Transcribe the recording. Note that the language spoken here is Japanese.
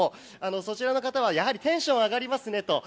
そちらの方はやはりテンション上がりますねと。